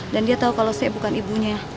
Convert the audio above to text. dan dia tahu kalau saya bukan ibunya